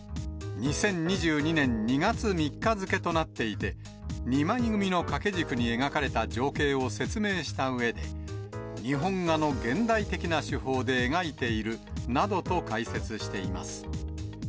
２０２２年２月３日付となっていて、２枚組の掛け軸に描かれた情景を説明したうえで、日本画の現代的な手法で描いているなどと解説しています。